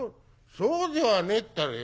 「そうではねえったらよ。